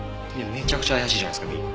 めちゃくちゃ怪しいじゃないですかＢ。